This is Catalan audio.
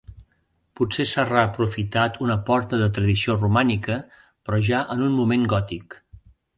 Potser s'ha reaprofitat una porta de tradició romànica però ja en un moment gòtic.